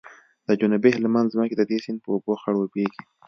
د جنوبي هلمند ځمکې د دې سیند په اوبو خړوبیږي